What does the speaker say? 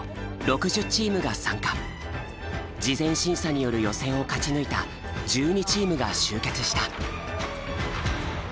事前審査による予選を勝ち抜いた１２チームが集結した。